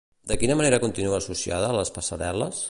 De quina manera continua associada a les passarel·les?